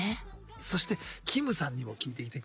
そしてキムさんにも聞いていきたい。